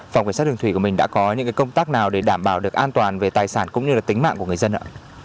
phòng cảnh sát đường thủy của mình đã có những công tác nào để đảm bảo được an toàn về tài sản cũng như là tính mạng của người dân ạ